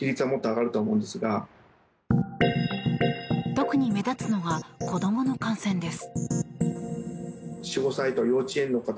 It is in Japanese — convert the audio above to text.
特に目立つのは子供の感染です。